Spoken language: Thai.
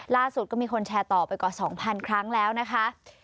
ก็มีคนแชร์ต่อไปกว่า๒๐๐๐ครั้งแล้วนะคะ